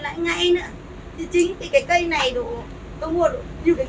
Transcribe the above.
là tôi mua vào hôm